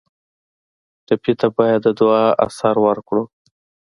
ټپي ته باید د دعا اثر ورکړو.